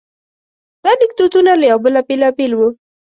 دا لیکدودونه له یو بل بېلابېل وو.